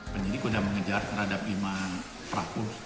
penyidik sudah mengejar terhadap lima pelaku